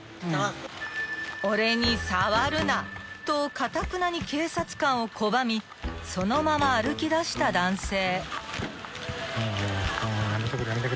［とかたくなに警察官を拒みそのまま歩きだした男性］